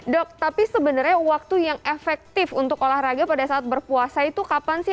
dok tapi sebenarnya waktu yang efektif untuk olahraga pada saat berpuasa itu kapan sih